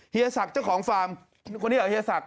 เฮียศักดิ์เจ้าของฟาร์มคนนี้เหรอเฮียศักดิ